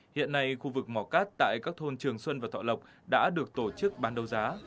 hiện nay khu vực mỏ cát tại các thôn trường xuân và thọ lộc đã được tổ chức bán đấu giá